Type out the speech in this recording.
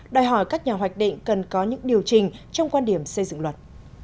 đòi hỏi các nhà hoạch định cần có những điều chỉnh trong quan điểm xây dựng luật